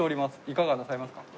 いかがなさいますか？